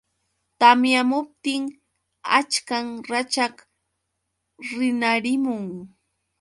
Tamyamuptin achkan rachaq rinarimun.